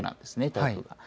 台風が。